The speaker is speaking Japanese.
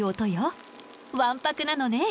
わんぱくなのね。